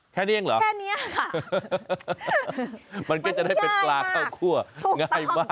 แค่นี้เองเหรอแค่นี้ค่ะมันยังไม่ยากมากถูกต้อง